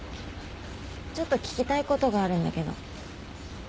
ちょっと聞きたいことがあるんだけど。